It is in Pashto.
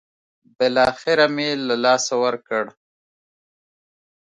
بالاخره مې له لاسه ورکړ.